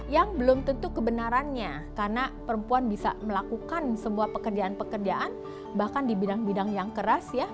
yang belum tentu kebenarannya karena perempuan bisa melakukan semua pekerjaan pekerjaan bahkan di bidang bidang yang keras ya